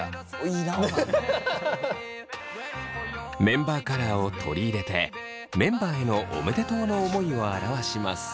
メンバーカラーを取り入れてメンバーへのおめでとうの思いを表します。